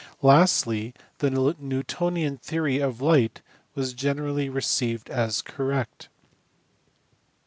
Lastly the Newtonian theory of light was generally received as correct.